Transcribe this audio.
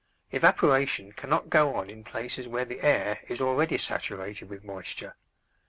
Evaporation cannot go on in places where the air is already saturated with moisture.